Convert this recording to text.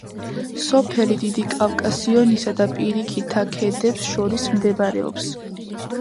სოფელი დიდი კავკასიონისა და პირიქითა ქედებს შორის მდებარეობს.